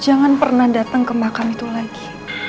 jangan pernah datang ke makam itu lagi